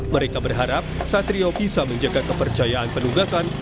mereka berharap satrio bisa menjaga kepercayaan penugasan